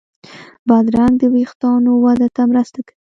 بادرنګ د وېښتانو وده ته مرسته کوي.